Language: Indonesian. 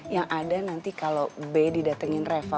yang ada nanti kalau b didatengin reva